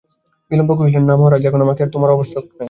বিল্বন কহিলেন, না মহারাজ, এখন আমাকে আর তোমার আবশ্যক নাই।